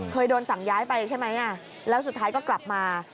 เคยโดนสั่งย้ายไปใช่ไหมแล้วสุดท้ายก็กลับมา